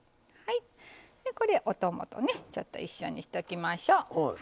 これお供とねちょっと一緒にしときましょう。